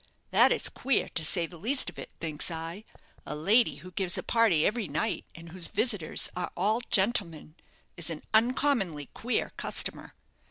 That is queer, to say the least of it, thinks I. A lady who gives a party every night, and whose visitors are all gentlemen, is an uncommonly queer customer.